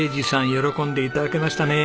喜んで頂けましたね。